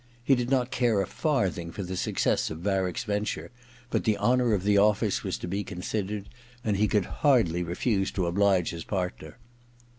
He did not care a farthing for the success of Varick's venture, but the honour of the office was to be considered, and he could hardly refuse to oblige his partner.